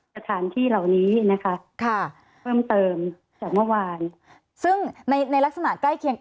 สถานที่เหล่านี้นะคะค่ะเพิ่มเติมจากเมื่อวานซึ่งในในลักษณะใกล้เคียง